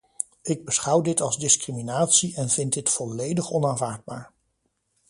Ik beschouw dit als discriminatie en vind dit volledig onaanvaardbaar.